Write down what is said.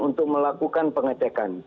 untuk melakukan pengecekan